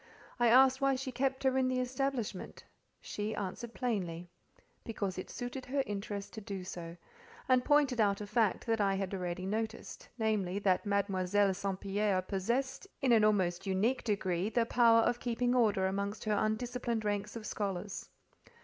I asked why she kept her in the establishment. She answered plainly, "because it suited her interest to do so;" and pointed out a fact I had already noticed, namely, that Mademoiselle St. Pierre possessed, in an almost unique degree, the power of keeping order amongst her undisciplined ranks of scholars.